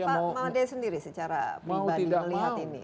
mau dia sendiri secara pribadi melihat ini